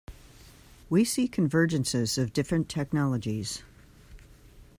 We see convergences of different technologies.